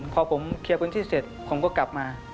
พอผมเคลียร์พื้นที่เสร็จผมก็กลับมา